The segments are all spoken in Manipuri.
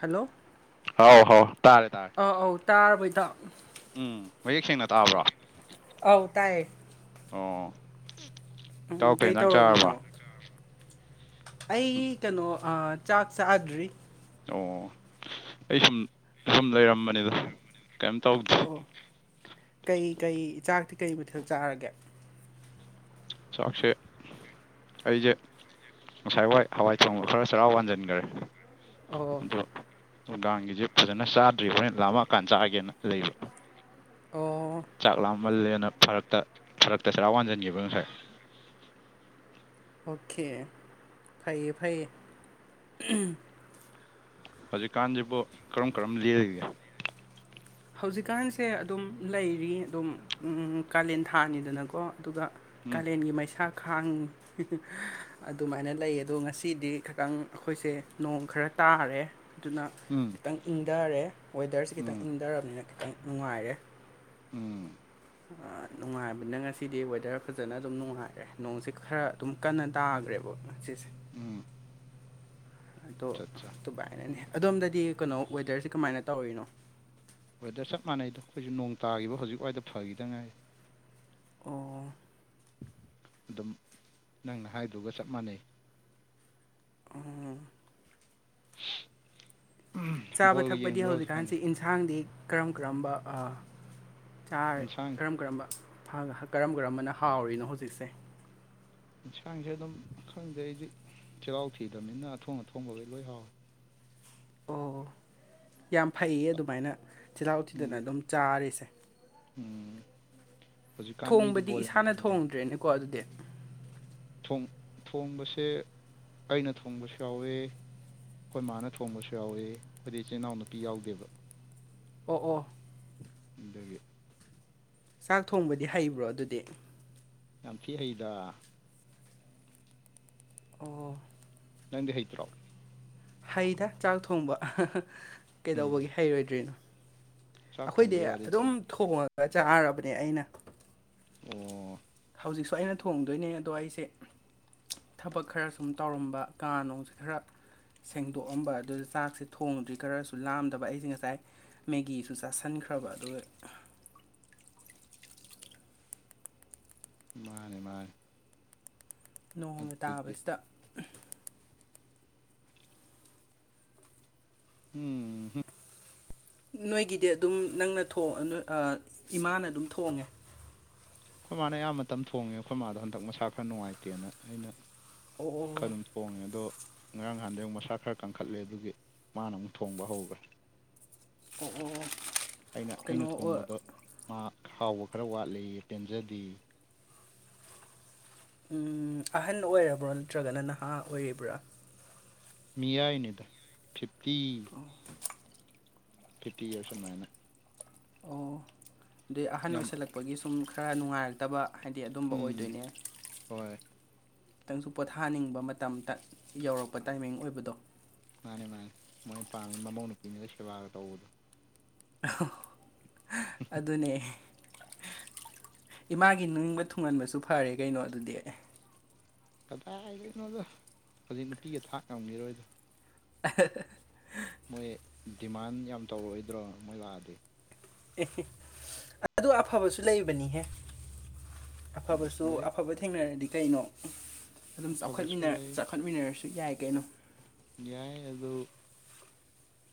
ꯍꯜꯂꯣ ꯍꯥꯎ ꯍꯥꯎ ꯇꯥꯔꯦ ꯇꯥꯔꯦ ꯑꯥ ꯑꯧ ꯇꯥꯔꯕꯣ ꯏꯇꯥꯎ ꯎꯝ ꯃꯌꯦꯛ ꯁꯦꯡꯅ ꯇꯥꯕ꯭ꯔꯣ ꯑꯧ ꯇꯥꯌꯦ ꯑꯣ ꯎꯝ ꯢꯇꯥꯎ ꯀꯔꯤ ꯀꯩ ꯢꯟꯁꯥꯡ ꯆꯥꯔꯕ ꯇꯧꯔꯝꯃꯤꯅꯣ ꯑꯩ ꯀꯩꯅꯣ ꯑꯥ ꯆꯥꯛ ꯆꯥꯗ꯭ꯔꯤ ꯑꯣ ꯑꯩ ꯁꯨꯝ ꯁꯨꯝ ꯂꯩꯔꯝꯕꯅꯤꯗ ꯀꯩꯝ ꯇꯧ ꯑꯣ ꯀꯩꯀꯩ ꯆꯥꯛꯇꯤ ꯀꯩ ꯃꯊꯦꯜ ꯆꯥꯔꯒꯦ ꯆꯥꯛꯁꯦ ꯑꯩꯁꯦ ꯉꯁꯥꯏ ꯋꯥꯏ ꯍꯋꯥꯢ ꯊꯣꯡꯕ ꯈꯔ ꯆꯔꯥ ꯋꯥꯟꯁꯤꯟꯈꯔꯦ ꯑꯣ ꯑꯗꯣ ꯅꯨꯡꯗꯥꯡꯒꯤꯁꯦ ꯐꯖꯅ ꯆꯥꯗ꯭ꯔꯤꯕ ꯍꯣꯔꯦꯟ ꯂꯥꯝꯃꯑꯀꯥꯟꯗ ꯆꯥꯒꯦꯅ ꯂꯩꯕ ꯑꯣ ꯆꯥꯛ ꯂꯥꯃꯜꯂꯦꯅ ꯐꯔꯛꯇ ꯐꯔꯛꯇ ꯆꯔꯥ ꯋꯥꯟꯁꯤꯟꯈꯤꯕ ꯉꯁꯥꯏ ꯑꯣꯀꯦ ꯐꯩꯌꯦ ꯐꯩꯌꯦ ꯍꯧꯖꯤꯛꯀꯥꯟꯁꯤꯕꯨ ꯀꯔꯝ ꯀꯔꯝ ꯂꯜꯂꯤꯒꯦ ꯍꯧꯖꯤꯛꯀꯥꯟꯁꯦ ꯑꯗꯨꯝ ꯂꯩꯔꯤ ꯑꯗꯨꯝ ꯀꯥꯂꯦꯟ ꯊꯥꯅꯤꯗꯅꯀꯣ ꯑꯗꯨꯒ ꯎꯝ ꯀꯥꯂꯦꯟꯒꯤ ꯃꯩꯁꯥ ꯈꯥꯡ ꯑꯗꯨꯃꯥꯏꯅ ꯂꯩ ꯑꯗꯣ ꯉꯁꯤꯗꯤ ꯈꯤꯇꯪ ꯑꯩꯈꯣꯏꯁꯦ ꯅꯣꯡ ꯈꯔ ꯇꯥꯔꯦ ꯑꯗꯨꯅ ꯎꯝ ꯈꯤꯇꯪ ꯏꯪꯊꯔꯦ ꯋꯦꯗꯔꯁꯦ ꯈꯤꯇꯪ ꯎꯝ ꯏꯪꯊꯔꯕꯅꯤꯅ ꯈꯤꯇꯪ ꯅꯨꯡꯉꯥꯏꯔꯦ ꯎꯝ ꯅꯨꯡꯉꯥꯏꯕꯅ ꯉꯁꯤꯗꯤ ꯋꯦꯗꯔ ꯐꯖꯅ ꯑꯗꯨꯝ ꯅꯨꯡꯉꯥꯏꯔꯦ ꯅꯣꯡꯁꯤꯦ ꯈꯔ ꯑꯗꯨꯝ ꯀꯟꯅ ꯇꯥꯈ꯭ꯔꯦꯕ ꯉ ꯁꯤꯁꯦ ꯎꯝ ꯑꯗꯣ ꯆꯠ ꯆꯥ ꯑꯗꯨꯃꯥꯏꯅꯅꯦ ꯑꯗꯣꯝꯗꯗꯤ ꯀꯩꯅꯣ ꯋꯦꯗꯔꯁꯦ ꯀꯃꯥꯏꯅ ꯇꯧꯔꯤꯅꯣ ꯋꯦꯗꯔ ꯆꯞ ꯃꯥꯟꯅꯩꯗꯣ ꯑꯩꯈꯣꯏꯁꯨ ꯅꯣꯡ ꯇꯥꯈꯤꯕ ꯍꯧꯖꯤꯛꯋꯥꯏꯗ ꯐꯈꯤꯗ ꯉꯥꯏ ꯑꯣ ꯑꯗꯨꯝ ꯅꯪꯅ ꯍꯥꯏꯗꯨꯒ ꯆꯞ ꯃꯥꯟꯅꯩ ꯎꯝ ꯆꯥꯕ ꯕꯣꯜꯒ ꯊꯛꯄꯗꯤ ꯌꯦꯡꯕ꯭ꯔꯣ ꯍꯧꯖꯤꯛꯀꯥꯟꯗꯤ ꯍꯧꯖꯤꯛꯀꯥꯟꯁꯤꯟ ꯌꯦꯟꯁꯥꯡꯗꯤ ꯀꯔꯝ ꯀꯔꯝꯕꯥ ꯏꯟꯁꯥꯡ ꯀꯔꯝ ꯀꯔꯝꯕ ꯀꯔꯝ ꯀꯔꯝꯕꯅ ꯍꯥꯎꯔꯤꯅꯣ ꯍꯧꯖꯤꯛꯁꯦ ꯌꯦꯟꯁꯥꯡꯁꯦ ꯑꯗꯨꯝ ꯈꯪꯗꯩ ꯑꯩꯗꯤ ꯆꯩꯔꯥꯎ ꯊꯤꯗꯕꯅꯤꯅ ꯑꯊꯣꯡ ꯑꯊꯣꯡꯕ ꯂꯣꯏ ꯂꯣꯏ ꯍꯥꯎꯋꯦ ꯑꯣ ꯌꯥꯝ ꯐꯩꯌꯦ ꯑꯗꯨꯃꯥꯏꯅ ꯇꯤꯜꯍꯥꯎ ꯎꯊꯤꯗꯅ ꯎꯝ ꯑꯗꯨꯝ ꯆꯥꯔꯤꯁꯦ ꯎꯝ ꯍꯧꯖꯤꯛꯀꯥꯟ ꯃꯤꯗꯤ ꯊꯣꯡꯕꯗꯤ ꯕꯣꯜ ꯌꯥꯝ ꯏꯁꯥꯅ ꯌꯦꯡꯅꯩ ꯊꯣꯡꯗ꯭ꯔꯦꯅꯦꯀꯣ ꯑꯗꯨꯗꯤ ꯊꯣꯡꯕꯁꯦ ꯑꯩꯅ ꯊꯣꯡꯕꯁꯨ ꯌꯥꯎꯋꯦ ꯑꯩꯈꯣꯏ ꯃꯥꯅ ꯊꯣꯡꯕꯁꯨ ꯌꯥꯎꯋ ꯑꯩꯈꯣꯏꯗꯤ ꯏꯆꯤꯜ ꯏꯅꯥꯎ ꯅꯨꯄꯤ ꯌꯥꯎꯗꯦꯕ ꯑꯣ ꯑꯣ ꯑꯗꯨꯗꯒꯤ ꯆꯥꯛ ꯊꯣꯡꯕꯗꯤ ꯍꯩꯕ꯭ꯔꯣ ꯑꯗꯨꯗꯤ ꯌꯥꯝ ꯊꯤꯛ ꯍꯩꯗ ꯑꯣ ꯅꯪꯗꯤ ꯍꯩꯇ꯭ꯔꯣ ꯍꯩꯗ ꯆꯥꯛ ꯊꯣꯡꯕ ꯎꯝ ꯀꯩꯗꯧꯕꯒꯤ ꯍꯩꯔꯣꯏꯗ꯭ꯔꯤꯅꯣ ꯆꯥꯛ ꯑꯩꯈꯣꯏꯗꯤ ꯊꯣꯡꯕꯩ ꯋꯥꯔꯤꯗ ꯑꯗꯨꯝ ꯃꯥ ꯊꯣꯡꯉꯒ ꯆꯥꯔꯕꯅꯦ ꯑꯩꯅ ꯑꯣ ꯍꯧꯖꯤꯛꯁꯨ ꯑꯩꯅ ꯊꯣꯡꯗꯣꯏꯅꯦ ꯑꯗꯣ ꯑꯩꯁꯦ ꯊꯕꯛ ꯈꯔ ꯁꯨꯝ ꯇꯧꯔꯝꯕ ꯀꯥ ꯅꯅꯨꯡꯁꯦ ꯈꯔ ꯁꯦꯡꯗꯣꯛꯑꯝꯕ ꯑꯗꯨꯗ ꯆꯥꯛꯁꯦ ꯊꯣꯡꯗ꯭ꯔꯤ ꯈꯔꯁꯨ ꯂꯥꯝꯗꯕ ꯑꯩꯁꯦ ꯉꯁꯥꯏ ꯃꯦꯒꯤꯁꯨ ꯆꯥꯁꯟꯈ꯭ꯔꯕ ꯑꯗꯨꯒ ꯃꯥꯅꯦ ꯃꯥꯅꯦ ꯅꯣꯡꯅ ꯑꯗꯨꯗꯤ ꯇꯥꯕꯁꯤꯗ ꯎꯝ ꯍꯨꯝ ꯅꯣꯏꯒꯤꯗꯤ ꯑꯗꯨꯝ ꯅꯪꯅ ꯏꯃꯥꯅ ꯑꯗꯨꯝ ꯊꯣꯡꯉꯦ ꯑꯩꯈꯣꯏ ꯃꯥꯅ ꯑꯌꯥꯝꯕ ꯃꯇꯝ ꯊꯣꯡꯉꯦ ꯑꯩꯈꯣꯏ ꯃꯥꯥꯗꯣ ꯍꯟꯗꯛ ꯃꯁꯥ ꯈꯔ ꯅꯨꯡꯉꯥꯏꯇꯦꯅ ꯑꯩꯅ ꯑꯣ ꯈꯔ ꯑꯗꯨꯝ ꯊꯣꯡꯉꯦ ꯑꯗꯣ ꯉꯔꯥꯡ ꯅꯍꯥꯟꯗꯩ ꯑꯃꯨꯛ ꯃꯁꯥ ꯈꯔ ꯀꯟꯈꯠꯂꯦ ꯑꯗꯨꯒꯤ ꯃꯥꯅ ꯑꯃꯨꯛ ꯊꯣꯡꯕ ꯍꯧꯈ꯭ꯔꯦ ꯀꯍꯣ ꯑꯩꯅ ꯑꯩꯅ ꯊꯣꯡꯕꯗ ꯃꯥ ꯍꯥꯎꯕ ꯈꯔ ꯋꯥꯠꯂꯤ ꯄꯦꯟꯖꯗꯦ ꯑꯍꯟ ꯑꯣꯏꯔꯕ꯭ꯔꯥ ꯅꯠꯇ꯭ꯔꯒꯅ ꯅꯍꯥ ꯑꯣꯏꯔꯤꯕ꯭ꯔꯥ ꯃꯤꯌꯥꯏꯅꯤꯗ ꯐꯤꯐꯇꯤ [inaudible] ꯐꯤꯇꯤ ꯏꯔꯁꯅꯨꯡꯃꯥꯏꯅ ꯑꯣ ꯗꯤ ꯑꯍꯟ ꯌꯥꯝ ꯑꯣꯏꯁꯜꯂꯛꯄꯒꯤ ꯁꯨꯝ ꯈꯔ ꯅꯨꯡꯉꯥꯏꯔꯛꯇꯕ ꯍꯥꯏꯗꯤ ꯑꯗꯨꯝꯕ ꯎꯝ ꯑꯣꯏꯗꯣꯏꯅꯦ ꯍꯣꯏ ꯈꯤꯇꯪꯁꯨ ꯄꯣꯊꯥꯅꯤꯡꯕ ꯃꯇꯝꯇ ꯌꯧꯔꯛꯄ ꯇꯥꯏꯃꯤꯡ ꯑꯣꯏꯕꯗꯣ ꯃꯥꯅꯦ ꯃꯥꯅꯦ ꯃꯣꯏꯅ ꯄꯥꯝꯃꯤꯖꯦ ꯃꯃꯧ ꯅꯨꯄꯤꯅꯒ ꯁꯦꯕꯥꯒ ꯇꯧꯕꯗꯣ꯫ ꯑꯍꯣ ꯍ ꯑꯗꯨꯅꯦ ꯏꯃꯥꯒꯤ ꯅꯤꯡꯕ ꯊꯨꯡꯍꯟꯕꯁꯨ ꯐꯔꯦ ꯀꯩꯅꯣ ꯑꯗꯨꯗꯤ ꯀꯗꯥꯏꯗꯩꯅꯣꯗ ꯍꯨꯖꯤꯛ ꯅꯨꯄꯤꯒ ꯊꯥꯛ ꯉꯝꯒꯤꯔꯣꯏꯗꯥ꯫ ꯑ ꯍ ꯍ ꯃꯣꯏ ꯗꯤꯃꯥꯟ ꯌꯥꯝ ꯇꯧꯔꯛꯑꯣꯏꯗ꯭ꯔꯣ ꯃꯣꯏ ꯂꯥꯛꯑꯗꯤ꯫ ꯑꯦꯍꯦ ꯑꯗꯨ ꯑꯐꯕꯁꯨ ꯂꯩꯕꯅꯤꯍꯦ꯫ ꯎꯝ ꯑꯐꯕꯁꯨ ꯂꯩ ꯑꯐꯕ ꯊꯦꯡꯅꯔꯗꯤ ꯀꯩꯅꯣ ꯎꯝ ꯑꯗꯨꯝ ꯑꯐꯕꯁꯨ ꯆꯥꯎꯈꯠꯃꯤꯟꯅꯔ ꯂꯩ ꯆꯥꯎꯈꯠ ꯈꯠꯃꯤꯟꯅꯔꯁꯨ ꯌꯥꯏ ꯀꯩꯅꯣ꯫ ꯌꯥꯏ ꯑꯗꯨ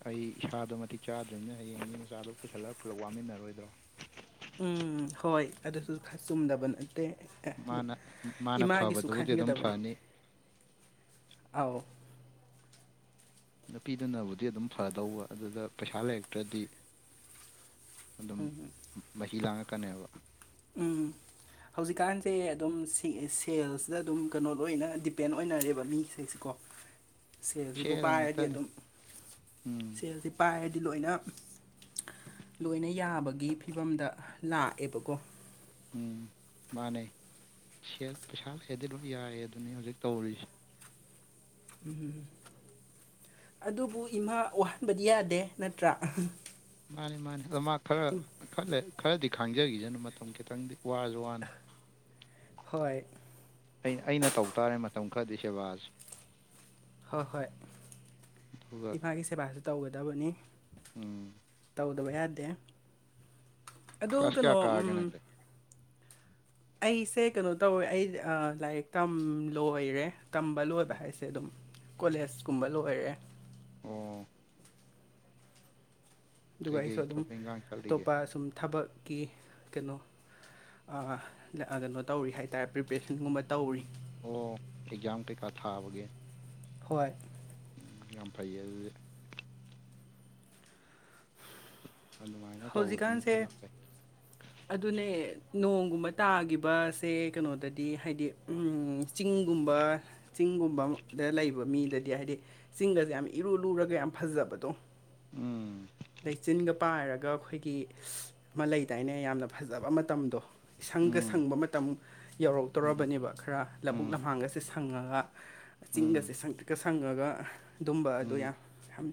ꯑꯩ ꯏꯁꯥꯗꯣ ꯃꯇꯤꯛ ꯆꯥꯗ꯭ꯔꯤꯝꯅꯤꯅ ꯍꯌꯦꯡ ꯃꯤ ꯃꯆꯥꯗꯣ ꯄꯨꯁꯜꯂꯒ ꯄꯨꯂꯞ ꯋꯥꯃꯤꯟꯅꯔꯣꯏꯗ꯭ꯔꯣ꯫ ꯎꯝ ꯍꯣꯏ ꯑꯗꯨꯁꯨ ꯈꯔ ꯆꯨꯝꯗꯕ ꯅꯠꯇꯦ꯫ ꯑꯦ ꯑꯗꯨ ꯃꯥꯅ ꯃꯥꯅ ꯏꯃꯥꯒꯤꯁꯨ ꯐꯕꯗꯨꯕꯨꯗꯤ ꯑꯗꯨꯝ ꯈꯟꯒꯗꯕꯅꯦ ꯐꯅꯤ ꯑꯥꯎ ꯅꯨꯄꯤꯗꯨꯅꯕꯨꯗꯤ ꯑꯗꯨꯝ ꯐꯗꯧꯕ ꯑꯗꯨꯗ ꯄꯩꯁꯥ ꯂꯩꯔꯛꯇ꯭ꯔꯗꯤ ꯑꯗꯨꯝ ꯃꯍꯤ ꯂꯥꯡꯉꯛꯀꯅꯦꯕ꯫ ꯎꯝ ꯍꯧꯖꯤꯛꯀꯥꯟꯁꯦ ꯑꯗꯨꯝ ꯁꯤꯑꯦ ꯁꯦꯜꯁꯤꯗ ꯑꯗꯨꯝ ꯀꯩꯅꯣ ꯂꯣꯏꯅ ꯗꯤꯄꯦꯟ ꯑꯣꯏꯅꯔꯦꯕ ꯃꯤꯁꯤꯡꯁꯦꯀꯣ꯫ ꯁꯦꯜꯁꯤꯕꯨ ꯁꯦꯜ ꯄꯥꯏꯔꯗꯤ ꯉꯥꯛꯇꯅꯤ ꯑꯗꯨꯝ ꯎꯝ ꯁꯦꯜꯁꯤ ꯄꯥꯏꯔꯗꯤ ꯂꯣꯏꯅ ꯂꯣꯏꯅ ꯌꯥꯕꯒꯤ ꯐꯤꯕꯝꯗ ꯂꯥꯛꯑꯦꯕꯀꯣ꯫ ꯎꯝ ꯃꯥꯅꯦ ꯁꯦꯜ ꯄꯩꯁꯥ ꯂꯩꯔꯗꯤ ꯂꯣꯏ ꯌꯥꯔꯦ ꯑꯗꯨꯅꯤ ꯍꯨꯖꯤꯛ ꯇꯧꯔꯤꯁꯦ꯫ ꯎꯝ ꯑꯗꯨꯕꯨ ꯏꯃꯥ ꯋꯥꯍꯟꯕꯗꯤ ꯌꯥꯗꯦ ꯅꯠꯇ꯭ꯔꯥ ꯑꯍ ꯃꯥꯅꯤ ꯃꯥꯅꯤ ꯑꯗꯣ ꯃꯥ ꯈꯔ ꯈꯔꯂꯩ ꯈꯔꯗꯤ ꯈꯥꯡꯖꯒꯤꯖꯅꯨ ꯃꯇꯝ ꯈꯤꯇꯪꯗꯤ ꯋꯥꯔꯖꯨ ꯖꯨꯋꯥꯅ ꯍꯣꯏ ꯑꯩꯅ ꯑꯩꯅ ꯇꯧ ꯇꯥꯔꯦ ꯃꯇꯝ ꯈꯔꯗꯤ ꯁꯦꯕꯥꯖꯦ꯫ ꯍꯣꯏ ꯍꯣꯏ ꯑꯗꯨꯒ ꯏꯃꯥꯒꯤ ꯁꯦꯕꯥꯁꯨ ꯇꯧꯒꯗꯕꯅꯤ꯫ ꯎꯝ ꯇꯧꯗꯕ ꯌꯥꯗꯦ ꯑꯗꯣ ꯀ꯭ꯂꯥꯁ ꯀꯩꯅꯣ ꯀꯌꯥ ꯎꯝ ꯀꯥꯔꯒꯦ ꯅꯪꯗꯤ ꯑꯩꯁꯦ ꯀꯩꯅꯣ ꯇꯧꯋꯦ ꯑꯩ ꯑ ꯂꯥꯏꯔꯤꯛ ꯇꯝ ꯂꯣꯏꯔꯦ ꯇꯝꯕ ꯂꯣꯏꯕ ꯑꯣ ꯍꯥꯏꯁꯦ ꯑꯗꯨꯝ ꯀꯣꯂꯦꯖ ꯀꯨꯝꯕ ꯂꯣꯏꯔꯦ꯫ ꯑꯣ ꯑꯗꯨꯒ ꯑꯩꯁꯨ ꯀꯩꯀꯩ ꯑꯗꯨꯝ ꯊꯕꯛ ꯏꯪꯈꯥꯡ ꯆꯠꯂꯤꯒꯦ ꯑꯇꯣꯞꯄ ꯁꯨꯝ ꯊꯕꯛꯀꯤ ꯀꯩꯅꯣ ꯑ ꯂ-ꯑ-ꯀꯩꯅꯣ ꯇꯧꯔꯤ ꯍꯥꯏꯇꯥꯔꯦ ꯄ꯭ꯔꯤꯄꯦꯔꯦꯁꯟꯒꯨꯝꯕ ꯇꯧꯔꯤ꯫ ꯑꯣ ꯑꯦꯛꯖꯥꯝ ꯀꯩꯀꯥ ꯊꯥꯕꯒꯤ꯫ ꯍꯣꯏ ꯌꯥꯝ ꯐꯩꯌꯦ ꯑꯗꯨꯗꯤ ꯑꯗꯨꯃꯥꯏꯅ ꯇꯧꯕꯗꯨꯅ ꯍꯧꯖꯤꯛꯀꯥꯟꯁꯦ ꯍꯦꯟꯅ ꯐꯩ ꯑꯗꯨꯅꯦ ꯅꯣꯡꯒꯨꯝꯕ ꯇꯥꯒꯤꯕꯁꯦ ꯀꯩꯅꯣꯗꯗꯤ ꯍꯥꯏꯗꯤ ꯎꯝ ꯆꯤꯡꯒꯨꯝꯕ ꯆꯤꯡꯒꯨꯝꯕ ꯗ ꯂꯩꯕ ꯃꯤꯗꯗꯤ ꯍꯥꯏꯗꯤ ꯆꯤꯡꯒꯖꯦ ꯌꯥꯝ ꯏꯔꯨ ꯂꯨꯔꯒ ꯌꯥꯝ ꯐꯖꯕꯗꯣ꯫ ꯎꯝ ꯂꯩꯆꯤꯟꯒ ꯄꯥꯏꯔꯒ ꯑꯩꯈꯣꯏꯒꯤ ꯏꯁ ꯂꯩꯗꯥꯏꯅꯦ ꯌꯥꯝꯅ ꯐꯖꯕ ꯃꯇꯝꯗꯣ ꯏꯁꯪꯒ ꯎꯝ ꯁꯪꯕ ꯃꯇꯝ ꯎꯝ ꯌꯧꯔꯛꯇꯧꯔꯕꯅꯦꯕ ꯈꯔ ꯂꯕꯨꯨꯛ ꯎꯝ ꯂꯝꯍꯥꯡꯒꯥꯁꯦ ꯁꯪꯉꯒ ꯎꯝ ꯆꯤꯡꯒꯁꯦ ꯁꯪꯇ꯭ꯔꯤꯛꯀ ꯁꯪꯉꯒ ꯑꯗꯨꯝꯕ ꯑꯗꯨ ꯎꯝ ꯌꯥꯝ ꯌꯥꯝ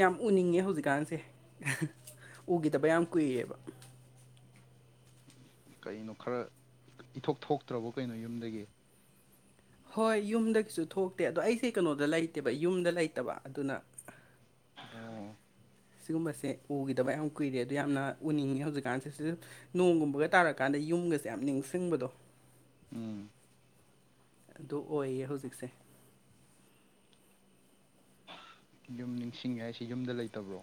ꯌꯥꯝ ꯎꯅꯤꯡꯉꯦ ꯍꯧꯖꯤꯛꯀꯥꯟꯁꯦ ꯑꯍ ꯎꯒꯤꯗꯕ ꯌꯥꯝ ꯀꯨꯏꯔꯦꯕ ꯀꯩꯅꯣ ꯈꯔ ꯏꯊꯣꯛ ꯊꯣꯛꯇ꯭ꯔꯕꯣ ꯀꯩꯅꯣ ꯌꯨꯝꯗꯒꯤ ꯍꯣꯏ ꯌꯨꯝꯗꯒꯤꯁꯨ ꯊꯣꯛꯇꯦ ꯑꯗꯣ ꯑꯩꯁꯦ ꯀꯩꯅꯣꯗ ꯂꯩꯇꯦꯕ ꯌꯨꯝꯗ ꯂꯩꯇꯕ ꯑꯗꯨꯅ ꯑꯣ ꯁꯤꯒꯨꯝꯕꯁꯦ ꯎꯈꯤꯗꯕ ꯌꯥꯝ ꯀꯨꯏꯔꯦ ꯑꯗꯨ ꯌꯥꯝꯅ ꯎꯅꯤꯡꯉꯤ ꯍꯧꯖꯤꯛꯀꯥꯟꯁꯦ ꯁꯤ ꯅꯣꯡꯒꯨꯝꯕꯒ ꯇꯥꯔꯀꯥꯟꯗ ꯌꯨꯝꯒꯁꯦ ꯌꯥꯝ ꯅꯤꯡꯁꯤꯡꯕꯗꯣ ꯎꯝ ꯑꯗꯨ ꯑꯣꯏꯌꯦ ꯍꯧꯖꯤꯛꯁꯦ ꯌꯨꯝ ꯅꯤꯡꯁꯤꯡꯉꯦ ꯍꯥꯏꯁꯤ ꯌꯨꯝꯗ ꯂꯩꯇꯕ꯭ꯔꯣ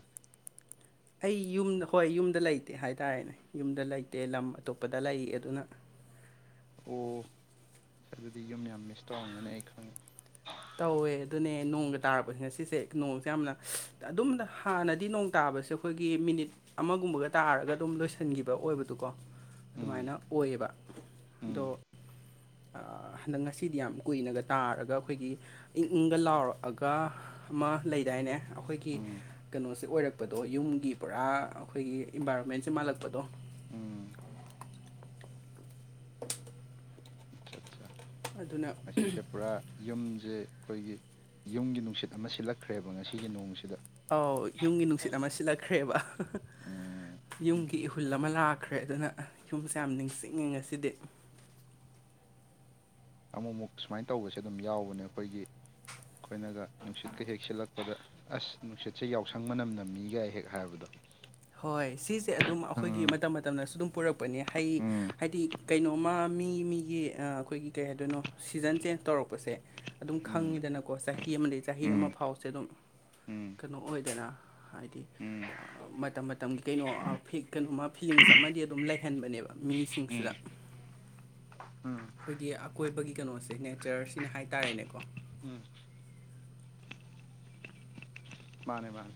ꯑꯩ ꯌꯨꯝ ꯍꯣꯏ ꯌꯨꯝꯗ ꯂꯩꯇꯦ ꯍꯥꯏꯇꯥꯔꯦꯅꯦ ꯌꯨꯝꯗ ꯂꯩꯇꯦ ꯂꯝ ꯑꯇꯣꯞꯄꯗ ꯂꯩ ꯑꯗꯨꯅ ꯑꯣ ꯑꯗꯨꯗꯤ ꯌꯨꯝ ꯌꯥꯝ ꯃꯤꯁ ꯇꯧꯔꯝꯃꯅꯤ ꯑꯩ ꯈꯪꯉꯦ ꯇꯧꯋꯦ ꯑꯗꯨꯅꯦ ꯅꯣꯡꯒ ꯇꯥꯔꯛꯄ ꯉꯁꯤꯁꯦ ꯅꯣꯡꯁꯦ ꯌꯥꯝꯅ ꯑꯗꯨꯝꯗ ꯍꯥꯟꯅꯗꯤ ꯅꯣꯡ ꯇꯥꯕꯁꯦ ꯑꯩꯈꯣꯏꯒꯤ ꯃꯤꯅꯤꯠ ꯑꯃꯒꯨꯝꯕꯒ ꯇꯥꯔꯒ ꯑꯗꯨꯝ ꯂꯣꯏꯁꯤꯟꯒꯤꯕ ꯑꯣꯏꯕꯗꯨꯀꯣ ꯎꯝ ꯑꯗꯨꯃꯥꯏꯅ ꯑꯣꯏꯌꯦꯕ ꯑꯗꯣ ꯎꯝ ꯍꯟꯗꯛ ꯉꯁꯤꯗꯤ ꯌꯥꯝ ꯀꯨꯏꯅꯒ ꯇꯥꯔꯒ ꯑꯩꯈꯣꯏꯒꯤ ꯏꯪ ꯏꯪꯒ ꯂꯥꯎꯔꯛꯑꯒ ꯑꯃ ꯂꯩꯗꯥꯏꯅꯦ ꯑꯩꯈꯣꯏꯒꯤ ꯎꯝ ꯀꯩꯅꯣꯁꯦ ꯑꯣꯏꯔꯛꯄꯗꯣ ꯌꯨꯝꯒꯤ ꯄꯨꯔꯥ ꯑꯩꯈꯣꯏꯒꯤ ꯏꯟꯚꯥꯏꯔꯣꯟꯃꯦꯟꯁꯦ ꯃꯥꯜꯂꯛꯄꯗꯣ ꯎꯝ ꯑꯆꯥ ꯆꯥ ꯑꯗꯨꯅ ꯉꯁꯤꯁꯦ ꯄꯨꯔꯥ ꯌꯨꯝꯁꯦ ꯑꯩꯈꯣꯏꯒꯤ ꯌꯨꯝꯒꯤ ꯅꯨꯡꯁꯤꯠ ꯑꯃ ꯁꯤꯠꯂꯛꯈ꯭ꯔꯦꯕ ꯉꯁꯤꯒꯤ ꯅꯣꯡꯁꯤꯗ ꯑꯥꯎ ꯌꯨꯝꯒꯤ ꯅꯨꯡꯁꯤꯠ ꯑꯃ ꯁꯤꯜꯂꯛꯈ꯭ꯔꯦꯕ [unintelligible] ꯎꯝ ꯌꯨꯝꯒꯤ ꯏꯍꯨꯜ ꯑꯃ ꯂꯥꯛꯈ꯭ꯔꯦ ꯑꯗꯨꯅ ꯌꯨꯝꯁꯦ ꯌꯥꯝ ꯅꯤꯡꯁꯤꯡꯉꯤ ꯉꯁꯤꯗꯤ ꯑꯃꯨꯛ ꯑꯃꯨꯛ ꯁꯨꯃꯥꯏꯅ ꯇꯧꯕꯁꯦ ꯑꯗꯨꯝ ꯌꯥꯎꯕꯅꯦ ꯑꯩꯈꯣꯏꯒꯤ ꯑꯩꯈꯣꯏꯅꯒ ꯅꯨꯡꯁꯤꯠꯀ ꯍꯦꯛ ꯁꯤꯜꯂꯛꯄꯗ ꯑꯁ ꯅꯨꯡꯁꯤꯠꯁꯦ ꯌꯥꯎꯁꯪ ꯃꯅꯝ ꯅꯝꯃꯤꯒ ꯍꯦꯛ ꯍꯥꯏꯕꯗꯣ ꯍꯣꯏ ꯁꯤꯁꯦ ꯑꯗꯨꯝ ꯑꯩꯈꯣꯏꯒꯤ ꯎꯝ ꯃꯇꯝ ꯃꯇꯝꯅꯁꯨ ꯑꯗꯨꯝ ꯄꯨꯔꯛꯄꯅꯤ ꯍꯩ ꯎꯝ ꯍꯥꯏꯗꯤ ꯀꯩꯅꯣꯝꯃ ꯃꯤ ꯃꯤꯒꯤ ꯑ ꯑꯩꯈꯣꯏꯒꯤ ꯀꯩ ꯍꯥꯏꯗꯣꯏꯅꯣ ꯁꯤꯖꯟ ꯆꯦꯟꯖ ꯇꯧꯔꯛꯄꯁꯦ ꯑꯗꯨꯝ ꯎꯝ ꯈꯪꯉꯤꯗꯅꯀꯣ ꯆꯍꯤ ꯑꯃꯗ ꯆꯍꯤ ꯑꯃ ꯎꯝ ꯐꯥꯎꯁꯦ ꯑꯗꯨꯝ ꯎꯝ ꯀꯩꯅꯣ ꯑꯣꯏꯗꯅ ꯍꯥꯏꯗꯤ ꯎꯝ ꯑ, ꯃꯇꯝ ꯃꯇꯝꯒꯤ ꯀꯩꯅꯣ ꯑ ꯀꯩꯅꯣꯃ ꯐꯤꯂꯤꯡꯁ ꯑꯃꯗꯤ ꯑꯗꯨꯝ ꯂꯩꯍꯟꯕꯅꯦꯕ ꯃꯤꯁꯤꯡꯁꯤꯗ ꯎꯝ ꯎꯝ ꯑꯩꯈꯣꯏꯒꯤ ꯑꯀꯣꯏꯕꯒꯤ ꯀꯩꯅꯣꯁꯦ ꯅꯦꯆꯔꯁꯤꯅ ꯍꯥꯏꯇꯥꯔꯦꯅꯦꯀꯣ ꯎꯝ ꯃꯥꯅꯦ ꯃꯥꯅꯦ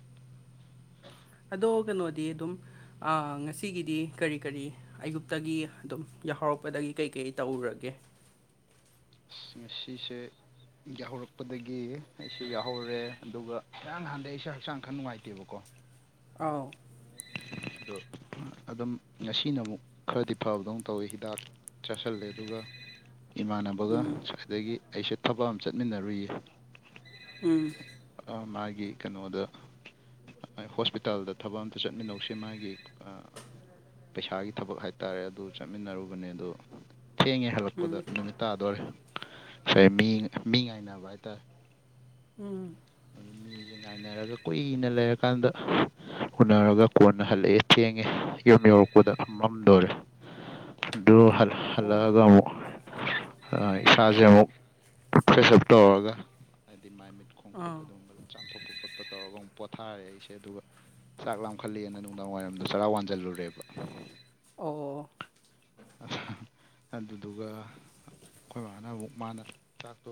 ꯑꯗꯣ ꯀꯩꯅꯣꯗꯤ ꯑꯗꯨꯝ ꯑ ꯉꯁꯤꯒꯤꯗꯤ ꯀꯔꯤ ꯀꯔꯤ ꯑꯌꯨꯛꯇꯒꯤ ꯑꯗꯨꯝ ꯌꯥꯍꯧꯔꯛꯄꯗꯒꯤ ꯀꯩꯀꯩ ꯇꯧꯔꯨꯔꯒꯦ ꯑꯁ ꯉꯁꯤꯁꯦ ꯌꯥꯍꯧꯔꯛꯄꯗꯒꯤ ꯑꯩꯁꯨ ꯌꯥꯎꯍꯧꯔꯦ ꯑꯗꯨꯒ ꯉꯔꯥꯡ ꯅꯍꯥꯟꯗꯩ ꯑꯩꯁꯦ ꯍꯛꯆꯥꯡ ꯈꯔ ꯅꯨꯡꯉꯥꯏꯇꯦꯕꯀꯣ ꯑꯥꯎ [unintelligible] ꯑꯗꯨꯝ ꯉꯁꯤꯅ ꯑꯃꯨꯛ ꯈꯔꯗꯤ ꯐꯕꯗꯧꯅ ꯇꯧꯋꯤ ꯍꯤꯗꯥꯛ ꯆꯥꯥꯁꯜꯂꯦ ꯑꯗꯨꯒ ꯏꯃꯥꯟꯅꯕꯒ ꯎꯝ ꯑꯁ꯭ꯋꯥꯏꯗꯒꯤ ꯑꯩꯁꯦ ꯊꯕꯛ ꯑꯃ ꯆꯠꯃꯤꯟꯅꯔꯨꯏꯌꯦ ꯎꯝ ꯑ ꯃꯥꯒꯤ ꯀꯩꯅꯣꯗ ꯍꯣꯁꯄꯤꯇꯥꯜꯗ ꯊꯕꯛ ꯑꯝꯇ ꯆꯠꯃꯤꯟꯅꯧꯁꯦ ꯃꯥꯒꯤ ꯑ, ꯄꯩꯁꯥꯒꯤ ꯊꯕꯛ ꯍꯥꯏꯇꯥꯔꯦ ꯑꯗꯨ ꯆꯠꯃꯤꯟꯅꯔꯨꯕꯅꯦ ꯑꯗꯣ ꯊꯦꯡꯉꯦ ꯍꯜꯂꯛꯄꯗ ꯎꯝ ꯅꯨꯃꯤꯠ ꯇꯥꯗꯣꯔꯦ ꯉꯁꯥꯏ ꯃꯤ ꯃꯤ ꯉꯥꯏꯅꯕ ꯍꯥꯏꯇꯥꯔꯦ ꯎꯝ ꯑꯗꯨ ꯃꯤꯁꯦ ꯉꯥꯏꯅꯔꯒ ꯀꯨꯏꯅ ꯂꯩꯔꯀꯥꯟꯗ ꯎꯅꯔꯒ ꯀꯣꯟꯅ ꯍꯜꯂꯛꯑꯦ ꯊꯦꯡꯉꯦ ꯌꯨꯝ ꯌꯧꯔꯛꯄꯗ ꯃꯝꯗꯣꯔꯦ ꯑꯗꯣ ꯍꯜ ꯑꯣ ꯍꯜꯂꯛꯑꯒ ꯑꯃꯨꯛ ꯑ ꯏꯁꯥꯁꯦ ꯑꯃꯨꯛ ꯐ꯭ꯔꯦꯁꯑꯞ ꯇꯧꯔꯒ ꯍꯥꯏꯗꯤ ꯃꯥꯏ ꯃꯤꯠ ꯈꯣ ꯑ [unintelligible] ꯆꯥꯝꯊꯣꯛꯄ ꯈꯣꯠꯄ ꯇꯧꯔꯒ ꯑꯃꯨꯛ ꯄꯣꯊꯥꯔꯦ ꯑꯩꯁꯦ ꯑꯗꯨꯒ ꯆꯥꯛ ꯂꯥꯝꯈꯠꯂꯦꯅ ꯅꯨꯡꯗꯥꯡ ꯋꯥꯏꯔꯝꯗ ꯆꯔꯥ ꯋꯥꯟꯖꯜꯂꯨꯔꯦꯕ ꯑꯣ ꯑꯗꯨꯗꯨꯒ ꯑꯩꯈꯣꯏ ꯃꯥꯅ ꯃꯨꯛ ꯃꯥꯅ ꯆꯥꯛꯇꯣ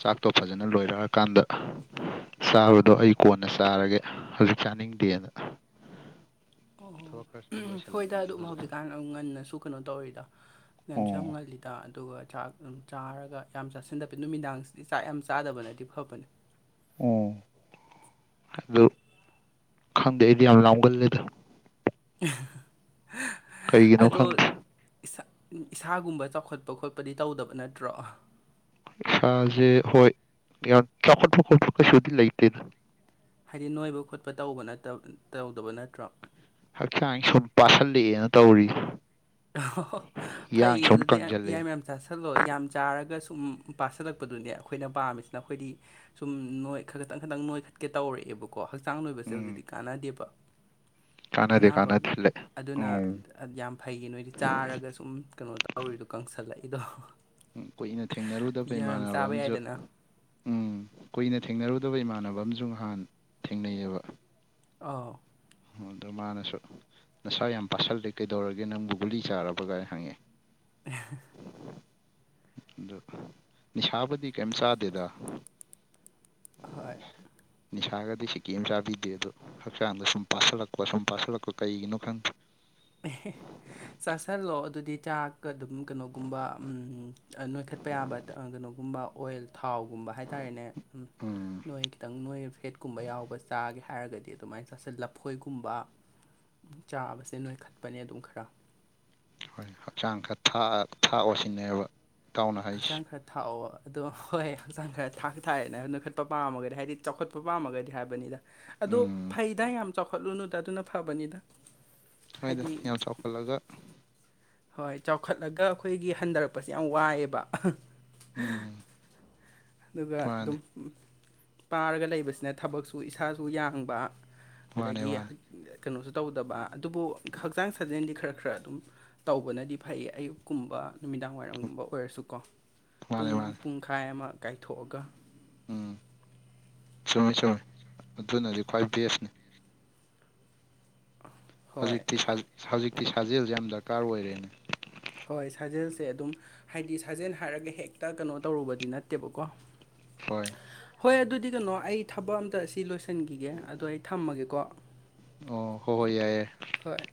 ꯆꯥꯛꯇꯣ ꯐꯖꯅ ꯂꯣꯏꯔꯛꯑꯀꯥꯟꯗ ꯆꯥꯕꯗꯣ ꯑꯩ ꯀꯣꯟꯅ ꯆꯥꯔꯒꯦ ꯍꯧꯖꯤꯛ ꯆꯥꯅꯤꯡꯗꯦꯅ ꯊꯕꯛ ꯈꯔ ꯁꯨꯝ ꯑꯣ ꯍꯣꯏꯗ ꯂꯣꯏꯁꯤꯜꯂꯝꯕꯅꯤꯗ ꯑꯗꯨꯝ ꯍꯧꯖꯤꯛ ꯍꯧꯖꯤꯛꯀꯥꯟ ꯑ ꯉꯟꯅꯁꯨ ꯀꯩꯅꯣ ꯇꯧꯔꯤꯗ ꯉꯟꯁꯨ ꯌꯥꯝ ꯑꯣ ꯉꯜꯂꯤꯗ ꯑꯗꯨꯒ ꯆꯥꯛ ꯎꯝ ꯆꯥꯔꯒ ꯌꯥꯝ ꯆꯥꯁꯤꯟꯗꯕꯤ ꯅꯨꯃꯤꯗꯥꯡꯁꯤꯗꯤ ꯆꯥꯛ ꯌꯥꯝ ꯆꯥꯗꯕꯅꯗꯤ ꯐꯕꯅꯦ ꯑꯣ ꯑꯗꯨ ꯈꯪꯗꯦ ꯑꯩꯗꯤ ꯌꯥꯝ ꯂꯥꯝꯒꯜꯂꯤꯗ ꯀꯩꯒꯤꯅꯣ ꯑꯗꯣ ꯈꯪꯗꯦ ꯏꯁꯥ ꯏꯁꯥꯒꯨꯝꯕ ꯆꯥꯎꯈꯠꯄ ꯈꯣꯠꯄꯗꯤ ꯇꯧꯗꯕ ꯅꯠꯇ꯭ꯔꯣ ꯏꯁꯥꯖꯦ ꯍꯣꯏ ꯌꯥꯝ ꯆꯥꯎꯈꯠꯄ ꯈꯣꯠꯄ ꯀꯩꯁꯨꯗꯤ ꯂꯩꯇꯦꯗ ꯍꯥꯏꯗꯤ ꯅꯣꯏꯕ ꯈꯣꯠꯄ ꯇꯧꯕ ꯅꯠꯇ ꯇꯧꯗꯕ ꯅꯠꯇ꯭ꯔꯣ ꯍꯛꯆꯥꯡꯁꯤ ꯁꯨꯝ ꯄꯥꯁꯜꯂꯛꯑꯦꯅ ꯇꯧꯔꯤ ꯏꯌꯥꯡ ꯐꯩꯌꯦ ꯁꯨꯝ ꯑꯗꯨꯗꯤ ꯌꯥ ꯌꯥꯏ ꯀꯪꯁꯤꯜꯂꯛꯑꯦ ꯃꯌꯥꯝ ꯆꯥꯁꯜꯂꯣ ꯌꯥꯝ ꯆꯥꯔꯒ ꯁꯨꯝ ꯄꯥꯁꯜꯂꯛꯄꯗꯨꯅꯦ ꯑꯩꯈꯣꯏꯅ ꯄꯥꯝꯃꯤꯁꯤꯅ ꯑꯩꯈꯣꯏꯗꯤ ꯁꯨꯝ ꯅꯣꯏ ꯈ ꯈꯇꯪ ꯈꯇꯪ ꯅꯣꯏꯈꯠꯀꯦ ꯇꯧꯔꯛꯑꯦꯕ ꯀꯣ ꯍꯛꯆꯥꯡ ꯅꯣꯏꯕꯁꯦ ꯎꯝ ꯍꯧꯖꯤꯛꯇꯤ ꯀꯥꯟꯅꯗꯦꯕ ꯀꯥꯟꯅꯗꯦ ꯀꯥꯟꯅꯗꯦ ꯂꯠ ꯑꯧ ꯑꯗꯨꯌꯥꯝ ꯐꯩꯌꯦ ꯅꯣꯏꯗꯤ ꯆꯥꯔꯒ ꯁꯨꯝ ꯀꯩꯅꯣ ꯇꯧꯔꯤꯗꯣ ꯀꯪꯁꯜꯂꯛꯏꯗꯣ ꯎꯝ ꯀꯨꯏꯅ ꯊꯦꯡꯅꯔꯨꯗꯕ ꯌꯥꯝ ꯌꯥꯝ ꯏꯃꯥꯟꯅꯕ ꯆꯥꯕ ꯑꯝꯖꯨ ꯌꯥꯏꯗꯅ ꯎꯝ ꯀꯨꯏꯅ ꯊꯦꯡꯅꯔꯨꯗꯕ ꯏꯃꯥꯟꯅꯕ ꯑꯝꯖꯨ ꯉꯍꯥꯟ ꯊꯦꯡꯅꯩꯌꯦꯕ ꯑꯥꯎ ꯑꯣ ꯑꯗꯣ ꯃꯥꯅꯁꯨ ꯅꯁꯥ ꯌꯥꯝ ꯄꯥꯁꯜꯂꯦ ꯀꯩꯗꯧꯔꯒꯦ ꯅꯪꯕꯨ ꯒꯨꯂꯤ ꯆꯥꯔꯕꯒꯥꯏ ꯍꯪꯉꯛꯑꯦ [unintelligible] ꯑꯗꯨ ꯅꯤꯁꯥꯕꯨꯗꯤ ꯀꯩꯝ ꯆꯥꯗꯦꯗ ꯍꯣꯏ ꯅꯤꯁꯥꯒꯗꯤ ꯁꯤꯀꯤ ꯑꯝ ꯆꯥꯕꯤꯗꯦ ꯑꯗꯣ ꯍꯛꯆꯥꯡꯗ ꯁꯨꯝ ꯄꯥꯁꯤꯜꯂꯛꯄ ꯁꯨꯝ ꯄꯥꯁꯤꯜꯂꯛꯄ ꯀꯩꯒꯤꯅꯣ ꯈꯪꯗꯦ ꯆꯥꯁꯤꯜꯂꯣ ꯑꯗꯨꯗꯤ ꯆꯥꯛ ꯑꯗꯨꯝ ꯀꯩꯅꯣꯒꯨꯝꯕ ꯎꯝ ꯑ ꯅꯣꯏꯈꯠ ꯄ ꯌꯥꯕ ꯑ ꯀꯩꯅꯣꯒꯨꯝꯕ ꯑꯣꯏꯜ ꯊꯥꯎꯒꯨꯝꯕ ꯍꯥꯏꯇꯥꯔꯦꯅꯦ ꯎꯝ ꯅꯣꯏꯈ ꯈꯤꯇꯪ ꯅꯣꯏꯕ ꯐꯦꯠꯀꯨꯝꯕ ꯌꯥꯎꯕ ꯆꯥꯒꯦ ꯍꯥꯏꯔꯒꯗꯤ ꯑꯗꯨꯃꯥꯏ ꯆꯁꯤꯜ ꯂꯐꯣꯏꯒꯨꯝꯕ ꯆꯥꯕꯁꯦ ꯅꯣꯏꯈꯠꯄꯅꯦ ꯑꯗꯨꯝ ꯈꯔ ꯍꯣꯏ ꯍꯛꯆꯥꯡ ꯈꯔ ꯊꯥꯛ ꯊꯥꯛꯑꯣ ꯁꯤꯅꯦꯕ ꯍꯛꯆꯥꯡ ꯈꯔ ꯊꯥꯛꯑꯣ ꯑꯗꯣ ꯍꯣꯏ ꯍꯛꯆꯥꯡ ꯈꯔ ꯊꯥꯛ ꯇꯥꯔꯦꯅ ꯅꯣꯏꯈꯠꯄ ꯄꯥꯝꯃꯒꯗꯤ ꯍꯥꯏꯗꯤ ꯆꯥꯎꯈꯠꯄ ꯄꯥꯝꯃꯒꯗꯤ ꯍꯥꯏꯕꯅꯤꯗ ꯑꯗꯣ ꯎꯝ ꯐꯩꯗ ꯌꯥꯝ ꯆꯥꯎꯈꯠꯂꯨꯅꯨꯗ ꯑꯗꯨꯅ ꯐꯕꯅꯤꯗ ꯍꯣꯏꯗ ꯍꯥꯏꯗꯤ ꯌꯥꯝ ꯆꯥꯎꯈꯠꯂꯒ ꯍꯣꯏ ꯆꯥꯎꯈꯠꯂꯒ ꯑꯩꯈꯣꯏꯒꯤ ꯍꯟꯗꯔꯛꯄꯁꯦ ꯌꯥꯝ ꯋꯥꯏꯑꯦꯕ ꯎꯝ ꯑꯗꯨꯒ ꯃꯥꯅꯤ ꯑꯗꯨꯝ ꯄꯥꯔꯒ ꯂꯩꯕꯁꯤꯅ ꯊꯕꯛꯁꯨ ꯏꯁꯥꯁꯨ ꯌꯥꯡꯕ ꯃꯥꯅꯦ ꯑꯗꯒꯤ ꯃꯥꯅꯦ ꯀꯩꯅꯣꯁꯨ ꯇꯧꯗꯕ ꯑꯗꯨꯕꯨ ꯍꯛꯆꯥꯡ ꯁꯥꯖꯦꯟꯗꯤ ꯈꯔ ꯈꯔ ꯑꯗꯨꯝ ꯇꯧꯕꯅꯗꯤ ꯐꯩꯌꯦ ꯑꯌꯨꯛꯀꯨꯝꯕ ꯅꯨꯃꯤꯗꯥꯡ ꯋꯥꯏꯔꯝꯒꯨꯝꯕ ꯑꯣꯏꯔꯁꯨꯀꯣ ꯃꯥꯅꯦ ꯄꯨꯡꯑꯝ ꯃꯥꯅꯦ ꯄꯨꯡꯈꯥꯏ ꯑꯃ ꯀꯥꯏꯊꯣꯛꯑꯒ ꯎꯝ ꯆꯨꯝꯃꯦ ꯆꯨꯝꯃꯦ ꯑꯗꯨꯅꯗꯤ ꯈ꯭ꯋꯥꯏ ꯕꯦꯁꯅꯦ [unintelligible] ꯍꯧꯖꯤꯛꯇꯤ ꯁꯥꯖ ꯍꯧꯖꯤꯛꯇꯤ ꯁꯥꯖꯦꯜꯖꯦ ꯌꯥꯝ ꯗꯔꯀꯥꯔ ꯑꯣꯏꯔꯦꯅꯦ ꯍꯣꯏ ꯁꯥꯖꯦꯜꯁꯦ ꯑꯗꯨꯝ ꯍꯥꯏꯗꯤ ꯁꯥꯖꯦꯟ ꯍꯥꯏꯔꯒ ꯍꯦꯛꯇ ꯀꯩꯅꯣ ꯇꯧꯔꯨꯕꯗꯤ ꯅꯠꯇꯦꯕꯀꯣ ꯍꯣꯏ ꯍꯣꯏ ꯑꯗꯨꯗꯤ ꯀꯩꯅꯣ ꯑꯩ ꯊꯕꯛ ꯑꯝꯇ ꯁꯤ ꯂꯣꯏꯁꯤꯟꯈꯤꯒꯦ ꯑꯗꯣ ꯑꯩ ꯊꯝꯃꯒꯦꯀꯣ ꯑꯣ ꯍꯣꯍꯣꯏ ꯌꯥꯏꯌꯥꯏ ꯍꯣꯏ